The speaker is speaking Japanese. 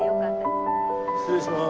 失礼します。